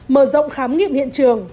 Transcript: mở rộng khám nghiệm hiện trường